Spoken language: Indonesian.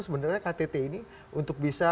sebenarnya ktt ini untuk bisa